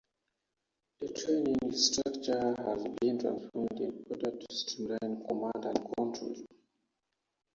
The training structure has been transformed in order to streamline command and control.